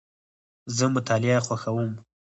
زه مطالعه خوښوم.